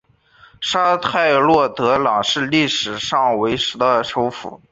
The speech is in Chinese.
沙泰洛德朗历史上为的首府。